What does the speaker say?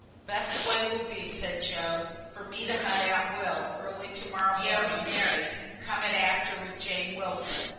"Best way will be," said Job, "for me to hunt out Will, early to morrow morning, and yo, Mary, come at after with Jane Wilson.